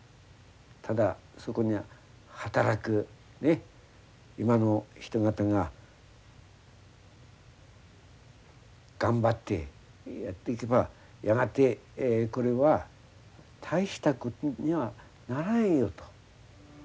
ただそこに働く今の人がたが頑張ってやっていけばやがてこれは大したことにはならんよ」と。